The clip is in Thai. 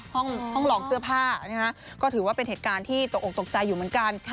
ห้องลองเสื้อผ้าก็ถือว่าเป็นเหตุการณ์ที่ตกออกตกใจอยู่เหมือนกัน